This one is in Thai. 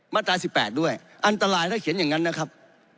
ตรา๑๘ด้วยอันตรายถ้าเขียนอย่างนั้นนะครับ